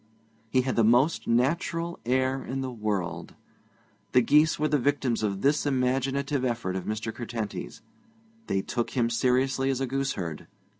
He had the most natural air in the world. The geese were the victims of this imaginative effort of Mr. Curtenty's. They took him seriously as a gooseherd.